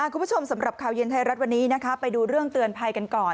สำหรับข่าวเย็นไทยรัฐวันนี้นะคะไปดูเรื่องเตือนภัยกันก่อน